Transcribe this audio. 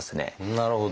なるほど。